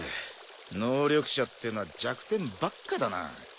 能力者ってのは弱点ばっかだな。